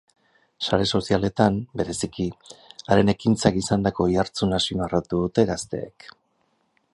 Sare sozialetan, bereziki, haren ekintzak izandako oihartzuna azpimarratu dute gazteek.